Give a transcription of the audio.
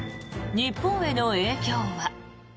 日本への影響は。